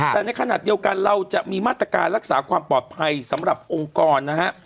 แต่ในขณะเดียวกันเราจะมีมาตรการรักษาความปลอดภัยสำหรับองค์กรนะฮะ